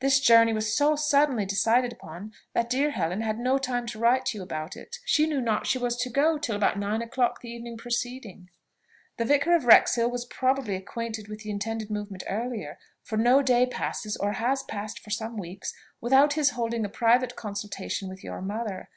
This journey was so suddenly decided upon, that dear Helen had no time to write to you about it: she knew not she was to go till about nine o'clock the evening preceding. "The Vicar of Wrexhill was probably acquainted with the intended movement earlier; for no day passes, or has passed for some weeks, without his holding a private consultation with your mother.